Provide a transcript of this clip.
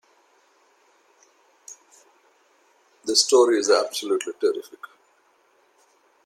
This story is absolutely terrific!